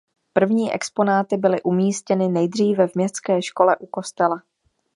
První exponáty byly umístěny nejdříve v městské škole u kostela.